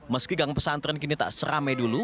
meski gang pesantren kini tak seramai dulu